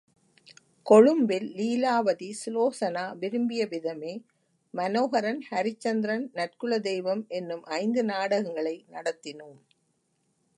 கொழும்பில், லீலாவதி சுலோசனா, விரும்பியவிதமே, மனோஹரன், ஹரிச்சந்திரன், நற்குல தெய்வம் என்னும் ஐந்து நாடகங்களை நடத்தினோம்.